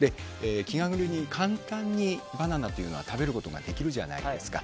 気軽に簡単にバナナは食べることができるじゃないですか。